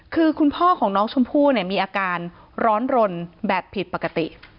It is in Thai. คือคุณพ่อของน้องชมพู่เนี่ยมีอาการร้อนรนแบบผิดปกติ